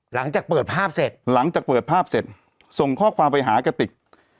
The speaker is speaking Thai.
หลังจากเปิดภาพเสร็จหลังจากเปิดภาพเสร็จส่งข้อความไปหากติก